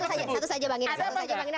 satu saja bang yana